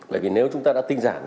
bởi vì nếu chúng ta đã tinh giản